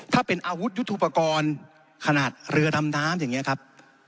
ถ้าเป็นอาวุธยุทธุปกรณ์ขนาดเรือดำน้ำอย่างนี้ครับ